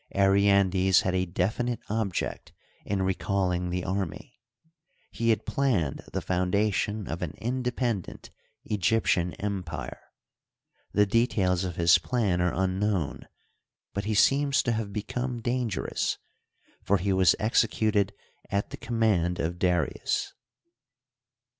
Aryandes had a definite object in recalling the army. He had planned the foundation of an inde pendent Egyptian empire. The details of his plan are unknown, but he seems to have become dangerous, for he wa^ executed at the command of Darius.